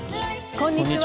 こんにちは。